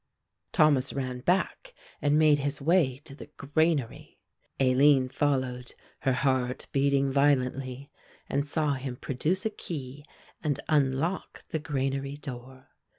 Thomas ran back and made his way to the granary. Aline followed, her heart beating violently, and saw him produce a key and unlock the granary door.